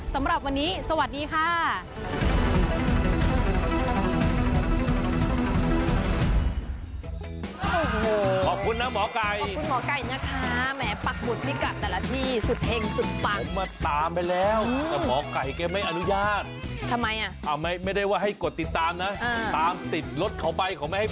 สำหรับวันนี้สวัสดีค่ะ